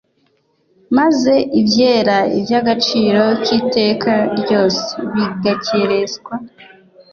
maze ibyera ibyagaciro kiteka ryose bigakerenswa